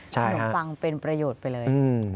ขนมปังเป็นประโยชน์ไปเลย